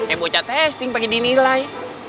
emotet testing pake dinilai